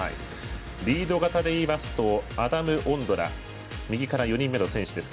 リード型でいいますとアダム・オンドラ右から４人目の選手です。